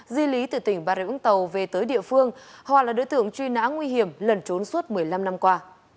di lý từ tỉnh bà rịa úng tàu về tới địa phương họ là đối tượng truy nã nguy hiểm lần trốn suốt một mươi năm năm qua